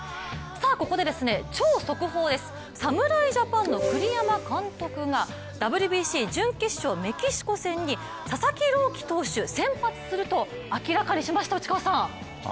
ここで超速報です、侍ジャパンの栗山監督がＷＢＣ準決勝、メキシコ戦に佐々木朗希投手先発すると明らかにしました。